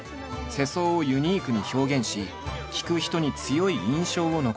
世相をユニークに表現し聞く人に強い印象を残す。